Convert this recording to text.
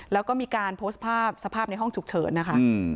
แล้วก็มีการโพสต์ภาพสภาพในห้องฉุกเฉินนะคะ